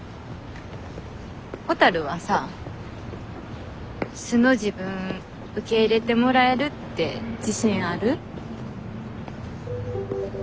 ほたるはさ素の自分受け入れてもらえるって自信ある？